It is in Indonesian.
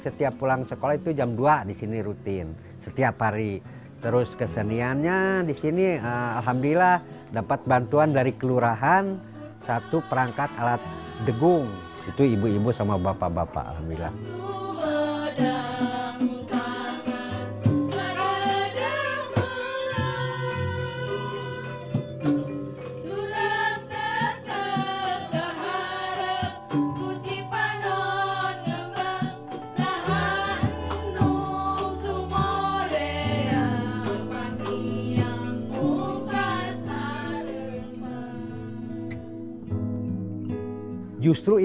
soalnya sakila jadi masuk sekolah terus